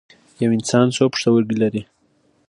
یو انسان څو پښتورګي لري